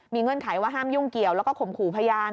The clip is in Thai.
เงื่อนไขว่าห้ามยุ่งเกี่ยวแล้วก็ข่มขู่พยาน